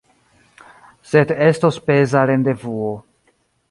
Sed estos peza rendevuo.